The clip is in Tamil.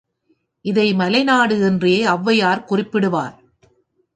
இதை மலைநாடு என்றே ஒளவையார் குறிப்பிடுவார்.